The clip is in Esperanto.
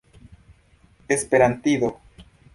esperantido